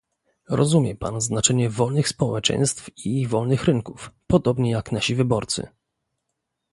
Rozumie Pan znaczenie wolnych społeczeństw i wolnych rynków, podobnie jak nasi wyborcy